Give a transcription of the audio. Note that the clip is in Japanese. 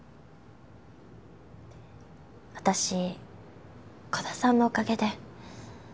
私鼓田さんのおかげで。